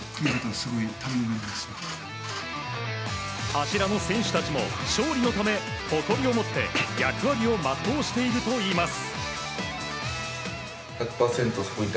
柱の選手たちも勝利のため誇りをもって役割を全うしているといいます。